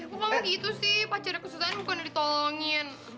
gue gak mau gitu sih pacarnya kesusahan gue gak mau ditolongin